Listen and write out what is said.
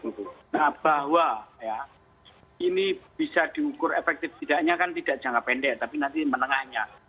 nah bahwa ini bisa diukur efektif tidaknya kan tidak jangka pendek tapi nanti menengahnya